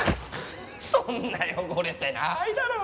そんな汚れてないだろ！